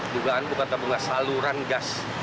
tugaan bukan tabung gas saluran gas